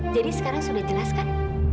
jadi sekarang sudah jelaskan